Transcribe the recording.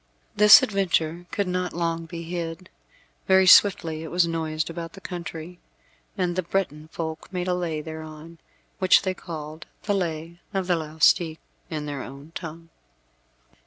This adventure could not long be hid. Very swiftly it was noised about the country, and the Breton folk made a Lay thereon, which they called the Lay of the Laustic, in their own tongue.